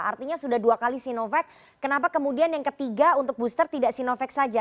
artinya sudah dua kali sinovac kenapa kemudian yang ketiga untuk booster tidak sinovac saja